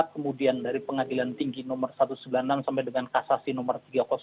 kemudian dari pengadilan tinggi nomor satu ratus sembilan puluh enam sampai dengan kasasi nomor tiga ribu sembilan puluh lima